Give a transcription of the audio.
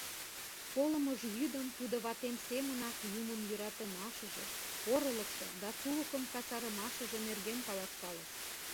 Колымыж йӱдым тудо ватем семынак Юмын йӧратымашыже, порылыкшо да сулыкым касарымашыже нерген каласкалыш.